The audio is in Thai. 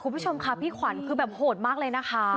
คุณผู้ชมค่ะพี่ขวัญคือแบบโหดมากเลยนะคะ